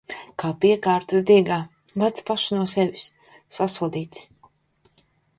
Kā piekārtas diegā... Lec pašas no sevis! Sasodītas!